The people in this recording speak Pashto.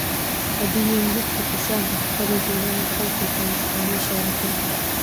په دې يونليک کې خوشحال د خپلې ټولنې خلکو ته انتقادي اشاره کړى